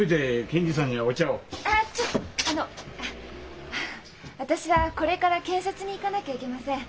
あの私はこれから検察に行かなきゃいけません。